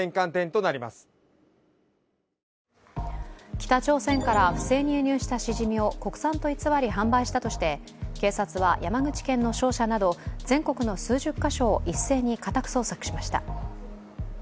北朝鮮から不正に輸入したしじみを国産と偽り販売したとして警察は山口県の商社など全国の数十か所を一斉に家宅捜索しました。